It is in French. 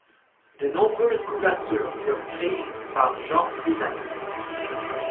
De nombreuses couvertures furent créées par Jean Frisano.